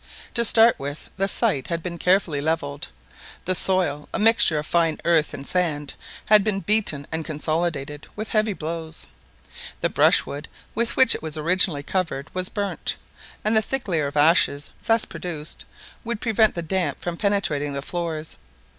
To start with, the site had been carefully levelled. The soil, a mixture of fine earth and sand, had been beaten and consolidated with heavy blows. The brushwood with which it was originally covered was burnt, and the thick layer of ashes thus produced would prevent the damp from penetrating the floors.